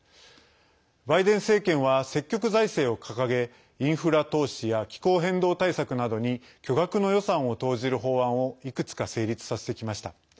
バイデン政権は積極財政を掲げインフラ投資や気候変動対策などに巨額の予算を投じる法案をいくつか成立させてきました。